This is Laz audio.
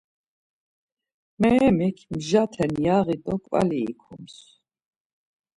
Meryemik mjaten yaği do ǩvali ikoms.